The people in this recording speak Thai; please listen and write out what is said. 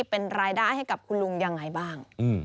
เป็นรายได้ให้กับคุณลุงยังไงบ้าง